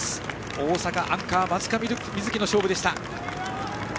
大阪、アンカーの松田瑞生の勝負でした。